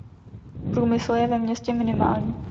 Průmysl je ve městě minimální.